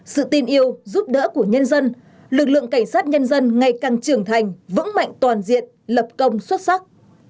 sự tin yêu giúp đỡ của nhân dân lực lượng cảnh sát nhân dân ngày càng trưởng thành vững mạnh toàn diện lập công xuất sắc